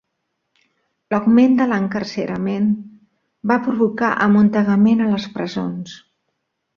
L'augment de l'encarcerament va provocar amuntegament a les presons.